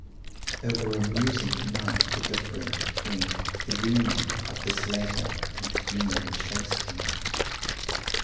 It were amusing to note the difference between the "humour" of this latter and the "humour" of Shakespeare.